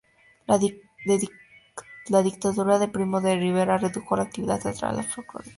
La dictadura de Primo de Rivera redujo la actividad teatral a lo folclórico.